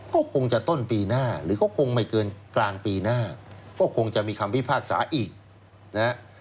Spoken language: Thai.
ก็คงจะต้นปีหน้าหรือก็คงไม่เกินกลางปีหน้าก็คงจะมีคำพิพากษาอีกนะฮะ